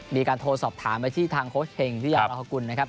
มีการโทรสอบถามที่ทางครูชเฮงที่อยากรับรักคุณนะครับ